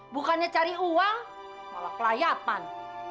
bukannya cari uang malah kelayatan